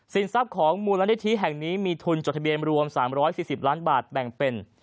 ทรัพย์ของมูลนิธิแห่งนี้มีทุนจดทะเบียนรวม๓๔๐ล้านบาทแบ่งเป็น